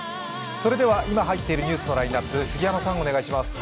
それでは今入っているニュースのラインナップ、杉山さん、お願いします。